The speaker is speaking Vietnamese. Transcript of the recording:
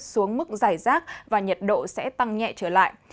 xuống mức giải rác và nhiệt độ sẽ tăng nhẹ trở lại